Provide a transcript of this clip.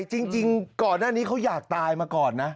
จริงก่อนหน้านี้เขาอยากตายมาก่อนนะ